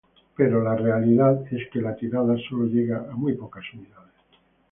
Pero la realidad es que la tirada solo llega a muy pocas unidades.